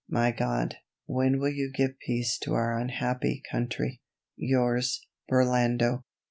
My God, when will you give peace to our unhappy country? Yours, BURLANDO.